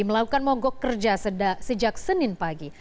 melakukan mogok kerja sejak senin pagi